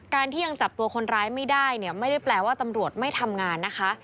ที่ยังจับตัวคนร้ายไม่ได้เนี่ยไม่ได้แปลว่าตำรวจไม่ทำงานนะคะ